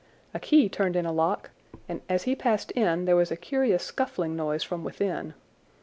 A key turned in a lock, and as he passed in there was a curious scuffling noise from within.